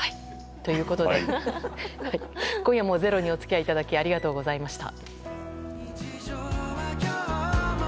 ということで今夜も「ｚｅｒｏ」にお付き合いいただきありがとうございました。